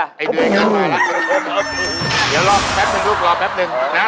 เดี๋ยวลองแป๊บลูกรอแป๊ปหนึ่ง